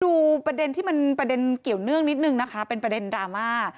ดูประเด็นที่มันประเด็นเกี่ยวเนื่องนิดนึงนะคะเป็นประเด็นดราม่า